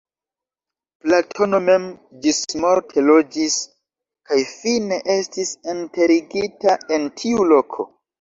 Platono mem ĝismorte loĝis kaj fine estis enterigita en tiu loko.